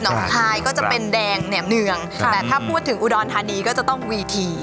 งคลายก็จะเป็นแดงแหนมเนืองแต่ถ้าพูดถึงอุดรธานีก็จะต้องวีที